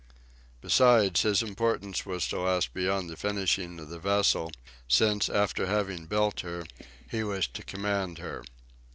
Besides his importance was to last beyond the finishing of the vessel, since, after having built her, he was to command her.